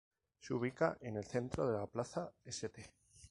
Se ubica en el centro de la plaza St.